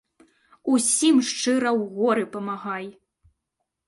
Усім шчыра ў горы памагай.